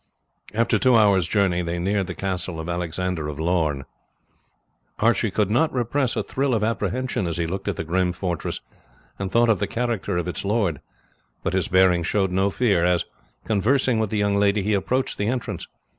After two hours' journey they neared the castle of Alexander of Lorne. Archie could not repress a thrill of apprehension as he looked at the grim fortress and thought of the character of its lord; but his bearing showed no fear, as, conversing with the young lady, he approached the entrance.